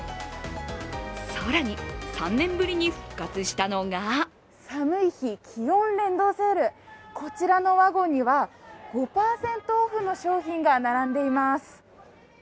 更に、３年ぶりに復活したのが寒い日気温連動セールこちらのワゴンには、５％オフの商品が並んでいます。